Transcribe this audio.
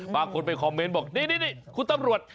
บางคนไปคอมเมนต์บอกนี่คุณตำรวจ